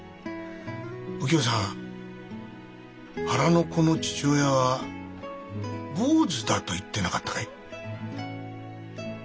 お喜代さん腹の子の父親は坊主だと言ってなかったかい？